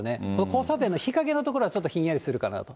交差点の日陰の所はちょっとひんやりするかなと。